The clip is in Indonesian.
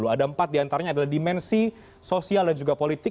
ada empat diantaranya adalah dimensi sosial dan juga politik